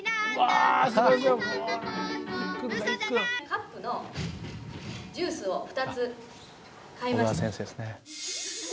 カップのジュースを２つ買いました。